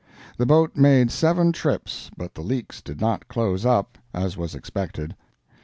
The boat made seven trips, but the leaks did not close up, as was expected.